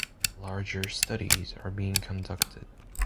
Larger studies are being conducted.